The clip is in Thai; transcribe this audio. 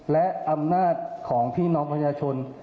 และอำนาจของพี่น้องประชาชน